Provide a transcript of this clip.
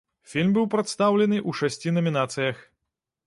Фільм быў прадстаўлены ў шасці намінацыях.